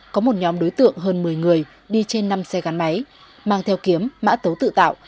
có một nhóm đối tượng hơn một mươi người đi trên năm xe gắn máy mang theo kiếm mã tấu tự tạo